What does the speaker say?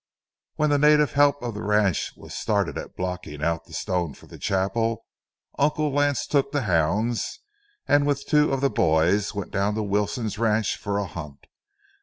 When the native help on the ranch was started at blocking out the stone for the chapel, Uncle Lance took the hounds and with two of the boys went down to Wilson's ranch for a hunt.